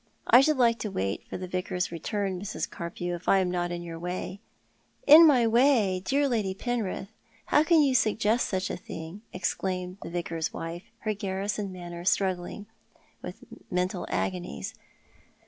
I should like to wait for the Vicar's return, Mrs. Carpew, if I am not in your way ?"" In my way, dear Lady Penrith ? How can you suggest such a thing?" exclaimed the Vicar's wife, her garrison manner struggling with mental agonies.